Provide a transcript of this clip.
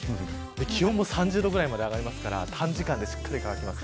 気温も３０度ぐらいまでは上がりますから、短時間でしっかり乾きます。